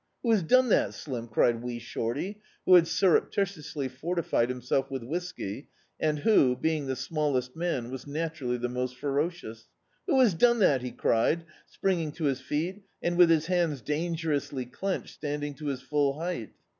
"Who has done that, Slim?" cried Wee Shorty, who had surreptitiously fortified himself with whisky, and who, being the smallest man, was naturally the most ferocious — "Who has done that?" he cried, springing to his feet and, with his hands dangerously clenched, standing to his full height.